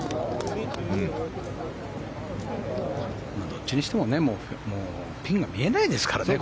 どっちにしてもピンが見えないですからね。